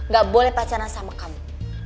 gak boleh pacaran sama kamu